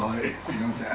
すいません。